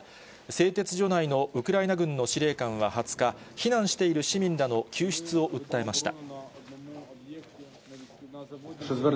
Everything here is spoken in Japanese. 製鉄所内のウクライナ軍の司令官は２０日、避難している市民らの救出を訴えました。